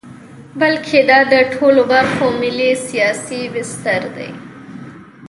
بلکې دا د ټولو برخو ملي سیاسي بستر دی.